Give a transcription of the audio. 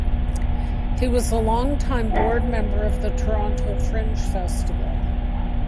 He was a long-time board member of the Toronto Fringe Festival.